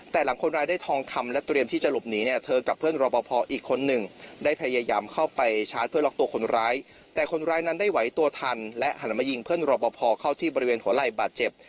แต่หลังคนร้ายได้ทองคำและเตรียมที่จะหลบหนีเนี่ยเธอกับเพื่อนรอบพออีกคนหนึ่งได้พยายามเข้าไปชาร์จเพื่อล็อกตัวคนร้ายแต่คนร้ายนั้นได้ไหวตัวทันและหันมายิงเพื่อนรอบพอเข้าที่บริเวณหัวไหล่บาดเจ็บ